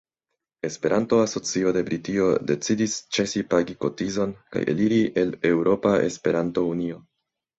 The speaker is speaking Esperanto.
Esperanto-Asocio de Britio decidis ĉesi pagi kotizon kaj eliri el Eŭropa Esperanto-Unio.